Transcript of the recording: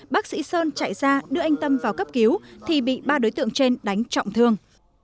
bác sĩ sơn chạy ra đưa anh tâm vào cấp cứu thì bị ba đối tượng trên đánh trọng thương